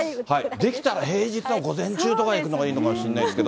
できたら平日の午前中とか行くのがいいのかもしれないですけど。